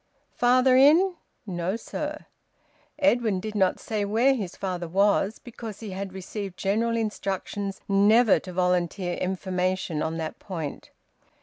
"Father in?" "No, sir." Edwin did not say where his father was, because he had received general instructions never to `volunteer information' on that point.